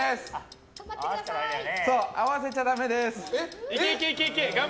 合わせちゃダメです。